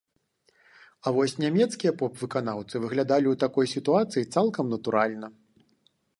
А вось нямецкія поп-выканаўцы выглядалі ў такой сітуацыі цалкам натуральна.